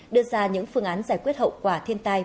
đưa ra những phương án giải quyết hậu quả thiên tai